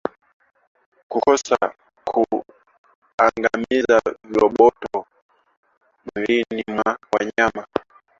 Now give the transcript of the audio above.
Kukosa kuangamiza viroboto mwilini mwa wanyama